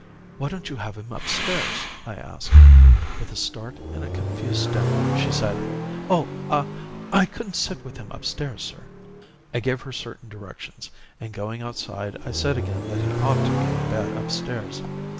'Why don't you have him upstairs?' I asked. With a start and a confused stammer she said, 'Oh! ah! I couldn't sit with him upstairs, Sir.' "I gave her certain directions; and going outside, I said again that he ought to be in bed upstairs.